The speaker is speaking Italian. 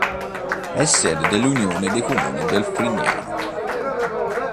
È sede dell'Unione dei comuni del Frignano.